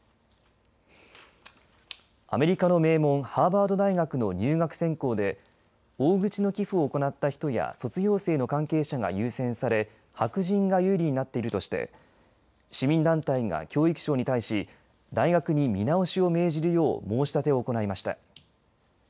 アメリカの名門ハーバード大学の入学選考で大口の寄付を行った人や卒業生の関係者が優先され白人が有利になっているとして市民団体が教育省に対し大学に見直しを命じるよう申し立てを行いました。